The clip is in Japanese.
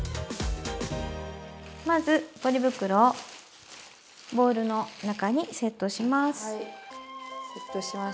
まずポリ袋をボウルの中にセットします。